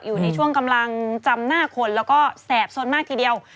อยู่ในช่วงกำลังจำหน้าคนแล้วก็แสบสนมากทีเดียว